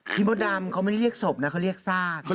พี่มดดำเขาไม่เรียกศพเนี่ยเขาเรียกซาก